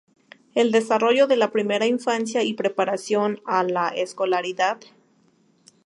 El desarrollo de la primera infancia y preparación a la escolaridad.